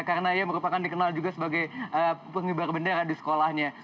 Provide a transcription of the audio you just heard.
karena merupakan dikenal juga sebagai pengibar bendera di sekolahnya